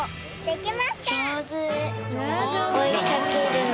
できました！